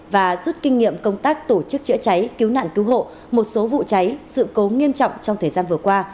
và rút kinh nghiệm công tác tổ chức chữa cháy cứu nạn cứu hộ một số vụ cháy sự cố nghiêm trọng trong thời gian vừa qua